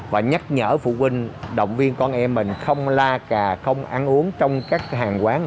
và nhắc nhở phụ huynh động viên con em mình không la cà không ăn uống trong các hàng quán